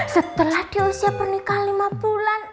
setelah di usia pernikahan lima bulan